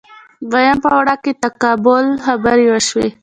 دویم پړاو کې تقابل خبرې وشوې